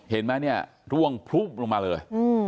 เห็นไหมเนี่ยร่วงพลุบลงมาเลย